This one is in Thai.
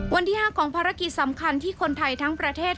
วันที่๕ของภารกิจสำคัญที่คนไทยทั้งประเทศ